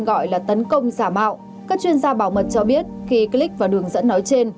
gọi là tấn công giả mạo các chuyên gia bảo mật cho biết khi click vào đường dẫn nói trên